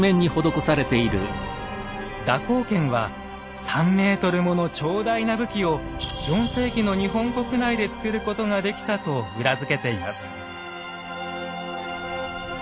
蛇行剣は３ｍもの長大な武器を４世紀の日本国内で作ることができたと裏付けています。